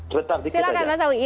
silahkan mas awi